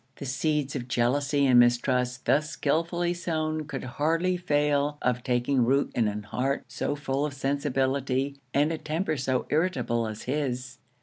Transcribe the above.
The seeds of jealousy and mistrust thus skilfully sown, could hardly fail of taking root in an heart so full of sensibility, and a temper so irritable as his.